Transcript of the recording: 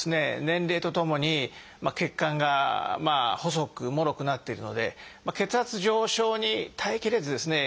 年齢とともに血管が細くもろくなっているので血圧上昇に耐えきれずですね